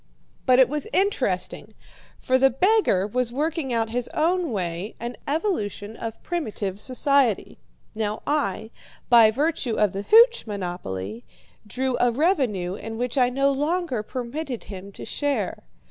"But it was interesting, for the beggar was working out in his own way an evolution of primitive society. Now I, by virtue of the hooch monopoly, drew a revenue in which I no longer permitted him to share.